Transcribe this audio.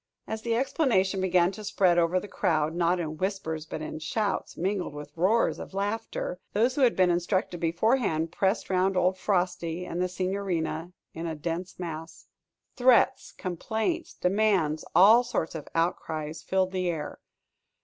As the explanation began to spread over the crowd not in whispers, but in shouts, mingled with roars of laughter those who had been instructed beforehand pressed round old Frosty and the Signorina in a dense mass. Threats, complaints, demands, all sorts of outcries filled the air.